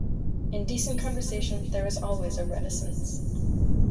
In decent conversation there is always a reticence.